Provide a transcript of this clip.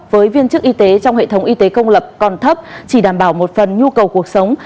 với viên chức y tế trong hệ thống y tế công lập còn thấp chỉ đảm bảo một phần nhu cầu cuộc sống